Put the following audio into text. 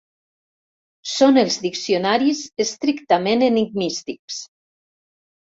Són els diccionaris estrictament enigmístics.